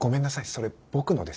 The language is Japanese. それ僕のです。